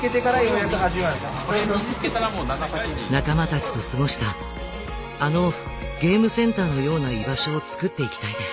仲間たちと過ごしたあのゲームセンターのような居場所を作っていきたいです。